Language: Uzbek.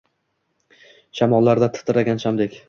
Shamollarda titragan shamdek